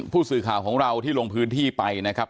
ผู้สื่อข่าวของเราที่ลงพื้นที่ไปนะครับ